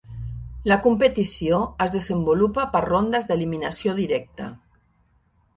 La competició es desenvolupa per rondes d'eliminació directa.